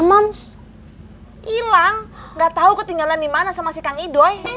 mams hilang enggak tahu ketinggalan dimana sama si kakaknya